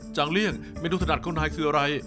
จังเลี่ยงเมนูถนัดคนไทยคืออะไร